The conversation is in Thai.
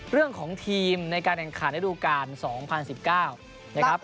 เรื่องของทีมในการแข่งขันศูนย์การ๒๐๑๙